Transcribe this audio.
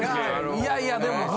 いやいやでも。